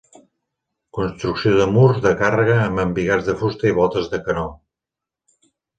Construcció de murs de càrrega amb embigats de fusta i voltes de canó.